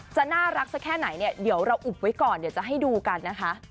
จะน่ารักสักแค่ไหนเนี่ยเดี๋ยวเราอุบไว้ก่อนเดี๋ยวจะให้ดูกันนะคะ